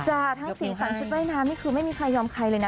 ทั้งสีสันชุดว่ายน้ำนี่คือไม่มีใครยอมใครเลยนะ